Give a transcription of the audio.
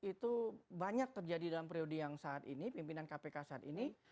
itu banyak terjadi dalam periode yang saat ini pimpinan kpk saat ini